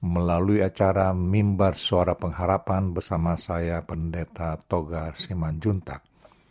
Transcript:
melalui acara mimbar suara pengharapan bersama saya pendeta toga siman juntak